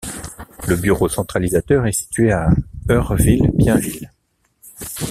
Le bureau centralisateur est situé à Eurville-Bienville.